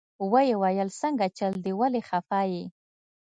ويې ويل سنګه چل دې ولې خفه يې.